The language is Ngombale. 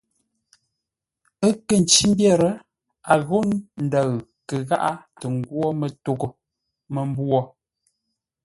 Ə́ kə̂ ncí mbyér, a ghô ndəʉ kə gháʼá tə ngwó mətoghʼə́ mə́mbwô!